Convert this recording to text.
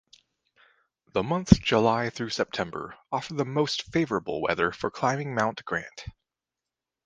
The months July through September offer the most favorable weather for climbing Mount Grant.